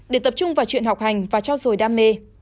để tập trung vào chuyện học hành và trao dồi đam mê